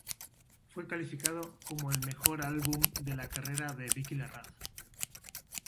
Fue calificado como el mejor álbum de la carrera de Vicky Larraz.